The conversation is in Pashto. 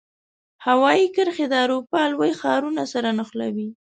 هوایي کرښې د اروپا لوی ښارونو سره نښلوي.